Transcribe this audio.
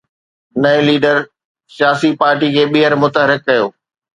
نئين ليڊر سياسي پارٽيءَ کي ٻيهر متحرڪ ڪيو